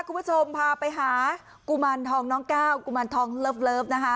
คุณผู้ชมพาไปหากุมารทองน้องก้าวกุมารทองเลิฟนะคะ